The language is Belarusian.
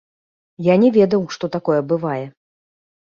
Я не ведаў, што такое бывае.